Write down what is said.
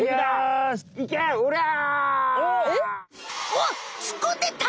おっつっこんでった！